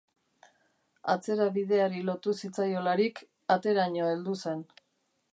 Atzera bideari lotu zitzaiolarik, ateraino heldu zen.